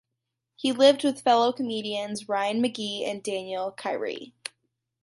He lived with fellow comedians Ryan Magee and Daniel Kyre.